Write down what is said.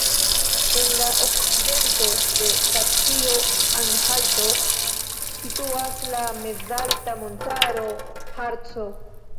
En la okcidento de Saksio-Anhalto situas la mezalta montaro Harco.